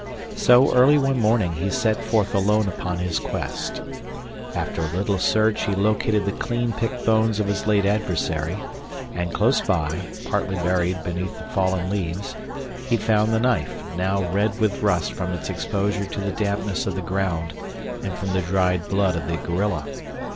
So, early one morning, he set forth alone upon his quest. After a little search he located the clean picked bones of his late adversary, and close by, partly buried beneath the fallen leaves, he found the knife, now red with rust from its exposure to the dampness of the ground and from the dried blood of the gorilla.